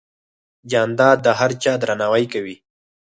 جانداد د هر چا درناوی کوي.